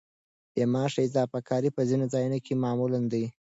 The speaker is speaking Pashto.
بې معاشه اضافي کار په ځینو ځایونو کې معمول دی.